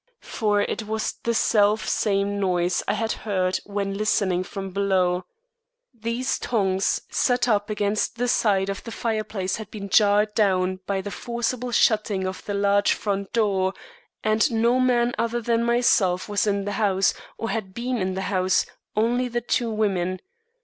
For it was the self same noise I had heard when listening from below. These tongs, set up against the side of the fireplace had been jarred down by the forcible shutting of the large front door, and no man other than myself was in the house, or had been in the house; only the two women.